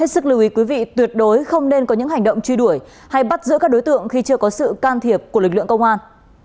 sức lưu ý quý vị tuyệt đối không nên có những hành động truy đuổi hay bắt giữ các đối tượng khi chưa có sự can thiệp của lực lượng công an